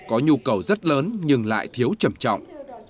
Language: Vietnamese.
có nhu cầu rất lớn nhưng lại thiếu trầm trọng